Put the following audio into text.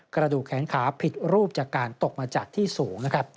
กระดูกแขนขาผิดรูปจากการตกมาจากที่สูงนะครับ